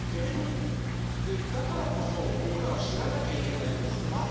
だからこそ僕らは知らなきゃいけないと思うんですまず。